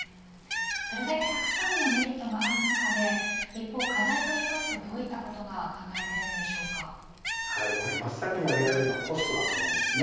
それだけたくさんのメリットがある中で一方、課題といいますとどういったことが真っ先に挙げられるのはコストだと思います。